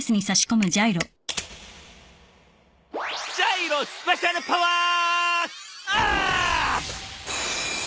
ジャイロスペシャルパワーアーップ！